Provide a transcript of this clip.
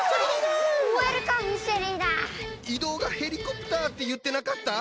移動がヘリコプターっていってなかった？